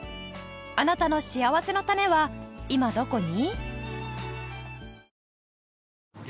あなたのしあわせのたねは今どこに？